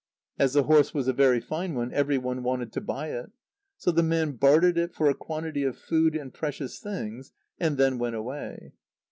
As the horse was a very fine one, every one wanted to buy it. So the man bartered it for a quantity of food and precious things, and then went away.